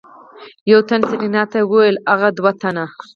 يو تن سېرېنا ته وويل ولې اغه دوه تنه.